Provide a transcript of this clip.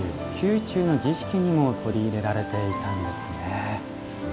宮中の儀式にも取り入れられていたんですね。